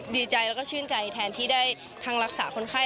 ดีใจแล้วก็ชื่นใจแทนที่ได้ทั้งรักษาคนไข้